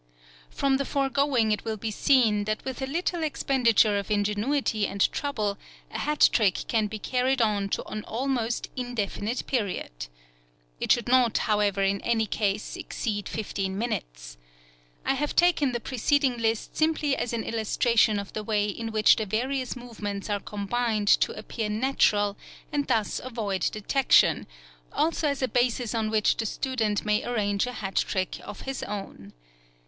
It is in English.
From the foregoing it will be seen that with a little expenditure of ingenuity and trouble a hat trick can be carried on to an almost indefinite period. It should not, however, in any case exceed fifteen minutes. I have taken the preceding list simply as an illustration of the way in which the various movements are combined to appear natural and thus avoid detection, also as a basis on which the student may arrange a hat trick of his own.